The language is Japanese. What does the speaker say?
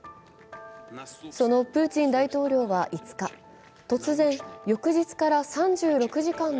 そのプーチン大統領は５日突然、翌日から３６時間の